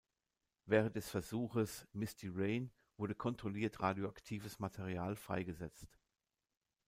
Während des Versuches "Misty Rain" wurde kontrolliert radioaktives Material freigesetzt.